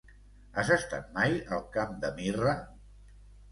Has estat mai al Camp de Mirra?